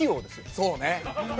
そうね。